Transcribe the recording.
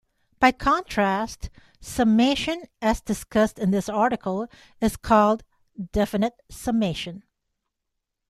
By contrast, summation as discussed in this article is called "definite summation".